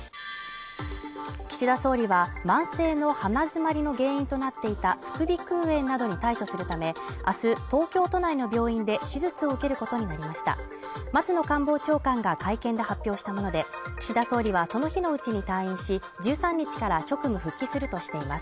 岸田総理は慢性の鼻づまりの原因となっていた副鼻腔炎などに対処するためあす東京都内の病院で手術を受けることになりました松野官房長官が会見で発表したもので岸田総理はその日のうちに退院し１３日から職務復帰するとしています